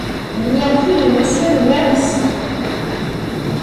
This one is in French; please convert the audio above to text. Il n'y a plus de monsieur le maire ici!